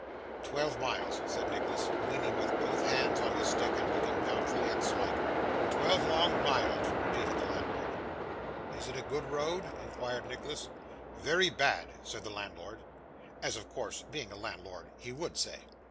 'Twelve miles,' said Nicholas, leaning with both hands on his stick, and looking doubtfully at Smike. 'Twelve long miles,' repeated the landlord. 'Is it a good road?' inquired Nicholas. 'Very bad,' said the landlord. As of course, being a landlord, he would say.